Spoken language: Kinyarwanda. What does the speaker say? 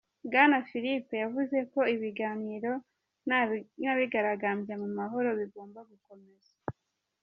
Bwana Philippe yavuze ko ibiganiro n'abigaragambya mu mahoro "bigomba gukomeza".